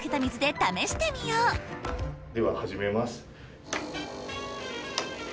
では始めます。